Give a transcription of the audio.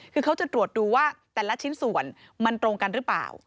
คือเขาจะตรวจดูว่าแต่ละชิ้นส่วนมันตรงกันหรือเปล่า